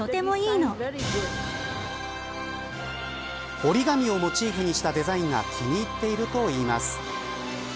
折り紙をモチーフにしたデザインが気に入っているといいます。